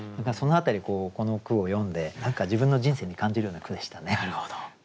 その辺りこの句を読んで何か自分の人生に感じるような句でしたね。